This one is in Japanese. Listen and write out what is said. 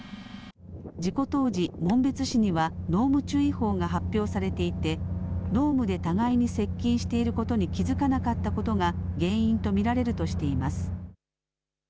事故当時、紋別市には濃霧注意報が発表されていて濃霧で互いに接近していることに気付かなかったことが原因と見られるとしています。